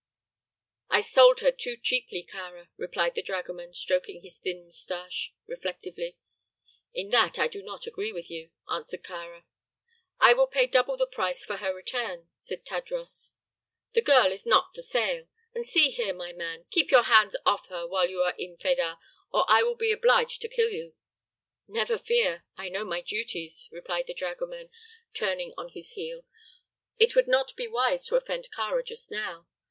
"I sold her too cheaply, Kāra," remarked the dragoman, stroking his thin mustache reflectively. "In that I do not agree with you," answered Kāra. "I will pay double the price for her return," said Tadros. "The girl is not for sale. And see here, my man, keep your hands off her while you are in Fedah, or I will be obliged to kill you." "Never fear; I know my duties," replied the dragoman, turning on his heel. It would not be wise to offend Kāra just now.